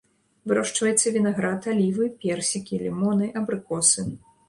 Вырошчваецца вінаград, алівы, персікі, лімоны, абрыкосы.